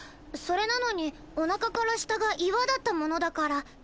それなのにおなかから下が岩だったものだから。